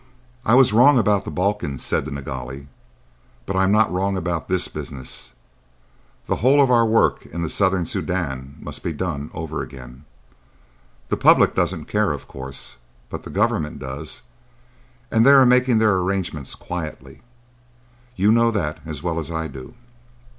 "I was wrong about the Balkans," said the Nilghai. "But I'm not wrong about this business. The whole of our work in the Southern Soudan must be done over again. The public doesn't care, of course, but the government does, and they are making their arrangements quietly. You know that as well as I do."